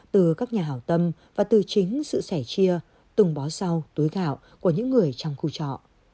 từ các nhà hảo tâm và từ chính sự sẻ chia từng bó rau túi gạo của những người trong khu trọ